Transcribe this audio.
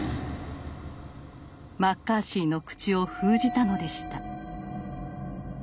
マッカーシーの口を封じたのでした。